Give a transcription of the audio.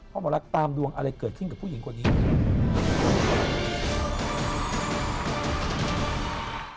เพราะว่าตามดวงอะไรเกิดขึ้นกับผู้หญิงกว่างนี้